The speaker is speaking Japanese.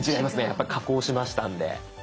やっぱ加工しましたんで。